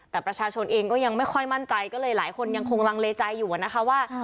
แต่ประชาชนเองก็ยังไม่ค่อยมั่นใจก็เลยหลายคนยังคงลังเลใจอยู่นะคะว่า